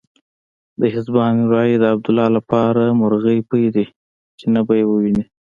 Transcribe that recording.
د حزبیانو رایې د عبدالله لپاره مرغۍ پۍ دي چې نه به يې وویني.